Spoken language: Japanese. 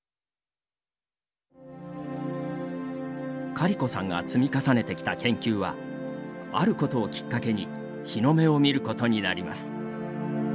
カリコさんが積み重ねてきた研究はあることをきっかけに日の目を見ることになります。